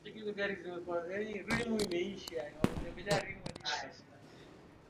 Kazi ngumu ya uwindaji hufanywa wakati wa usiku